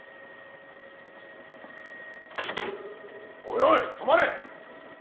おいおい止まれ！